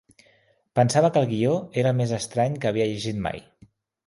Pensava que el guió era el més estrany que havia llegit mai.